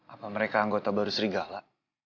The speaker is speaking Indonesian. apa mereka anggota baru serigala